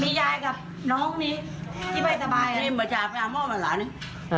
มียายกับน้องนี้ที่ไปสบายมันจะไปอ้ำม่อมอ่านหลานนึง